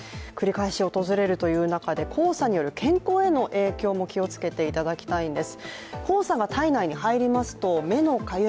繰り返し訪れるという中で黄砂による健康への影響も気をつけていただきたいんです。